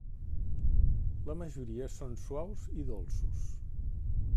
La majoria són suaus i dolços.